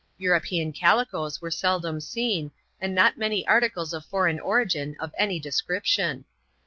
European calicoes were seldom seen, and not many articles of foreign origin of any description.